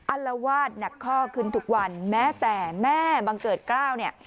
อลวาดหนักข้อขึ้นทุกวันแม้แต่แม่บังเกิดกล้าวเนี่ย